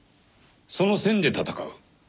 その線で闘う。